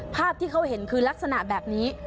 ภาพที่เขาเห็นคือลักษณะแบบนี้